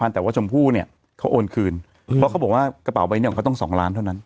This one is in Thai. แต่ว่าชมพู่เนี่ยเขาโอนคืนเพราะเขาบอกว่ากระเป๋าใบนี้ของเขาต้อง๒ล้านเท่านั้น